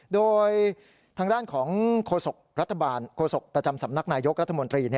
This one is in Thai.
โดยทางด้านของโฆษกรัฐบาลโฆษกประจำสำนักนายยกรัฐมนตรี